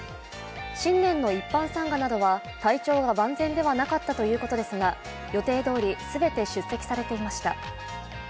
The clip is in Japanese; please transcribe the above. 新年の一般参賀などは体調が万全ではなかったということですが予定どおり全て出席されていました。